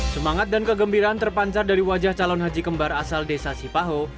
semangat dan kegembiraan terpancar dari wajah calon haji kembar asal desa sipaho